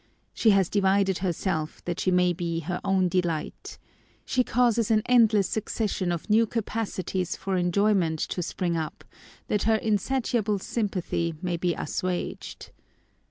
She has divided herself that she may be her own delight. She causes an endless succession of new capacities for enjoyment to spring up, that her insatiable sympathy may be assuaged.